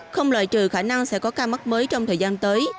không loại trừ khả năng sẽ có ca mắc mới trong thời gian tới